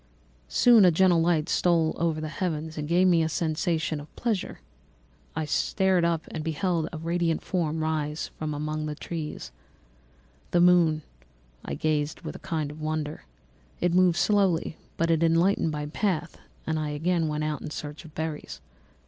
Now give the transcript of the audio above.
"Soon a gentle light stole over the heavens and gave me a sensation of pleasure. I started up and beheld a radiant form rise from among the trees. [The moon] I gazed with a kind of wonder. It moved slowly, but it enlightened my path, and I again went out in search of berries.